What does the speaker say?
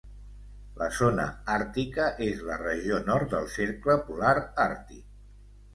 La zona àrtica és la regió nord del cercle polar àrtic.